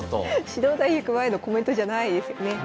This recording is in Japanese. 指導対局前のコメントじゃないですよね。